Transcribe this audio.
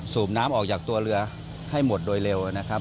สูบน้ำออกจากตัวเรือให้หมดโดยเร็วนะครับ